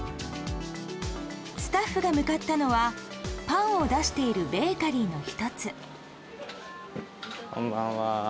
スタッフが向かったのはパンを出しているベーカリーの１つ。